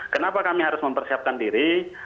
kenapa kami harus mempersiapkan diri